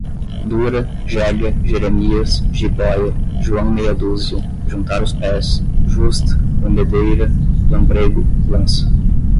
dura, jega, jeremias, jibóia, joão meia dúzia, juntar os pés, justa, lambedeira, lambrêgo, lança